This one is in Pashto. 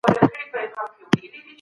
هغه تېره شپه باران ولید.